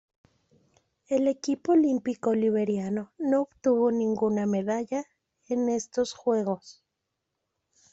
El equipo olímpico liberiano no obtuvo ninguna medalla en estos Juegos.